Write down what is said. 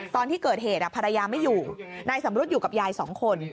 ตอนที่เกิดเหตุภรรยาไม่อยู่นายสำรุษอยู่กับยายสองคน